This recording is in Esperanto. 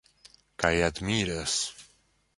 Kaj admiras.